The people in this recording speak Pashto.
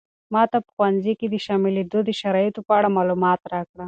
ماته په ښوونځي کې د شاملېدو د شرایطو په اړه معلومات راکړه.